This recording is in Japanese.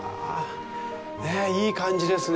ねぇ、いい感じですね。